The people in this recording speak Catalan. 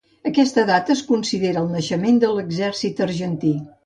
Aquesta data es considera el naixement de l'Exèrcit Argentí.